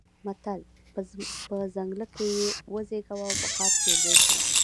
متل: په ځنګله کې يې وزېږوه او په ښار کې يې لوی کړه.